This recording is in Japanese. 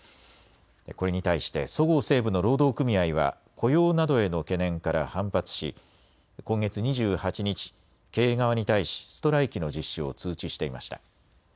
これに対してそごう・西武の労働組合は雇用などへの懸念から反発し今月２８日、経営側に対しストライキの実施を通知していました。